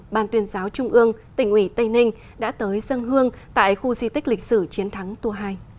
ban tuyên giáo trung ương tỉnh ủy tây ninh đã tới dân hương tại khu di tích lịch sử chiến thắng tua hai